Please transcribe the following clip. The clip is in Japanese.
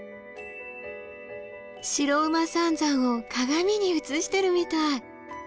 白馬三山を鏡に映してるみたい。